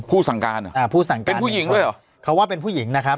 สั่งการเหรออ่าผู้สั่งการเป็นผู้หญิงด้วยเหรอเขาว่าเป็นผู้หญิงนะครับ